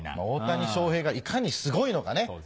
大谷翔平がいかにすごいのかね